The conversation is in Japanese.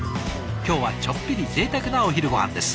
今日はちょっぴりぜいたくなお昼ごはんです。